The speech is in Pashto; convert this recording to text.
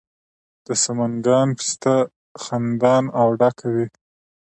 د سمنګان پسته خندان او ډکه وي.